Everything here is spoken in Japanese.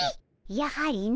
やはりの。